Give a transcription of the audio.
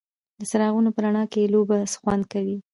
د څراغونو په رڼا کې لوبه خوند کوي.